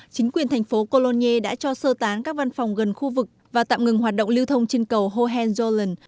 chính quyền thành phố cologne đã cho sơ tán các văn phòng gần khu vực và tạm ngừng hoạt động lưu thông trên cầu hohenzollern